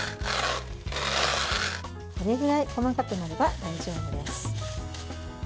これぐらい細かくなれば大丈夫です。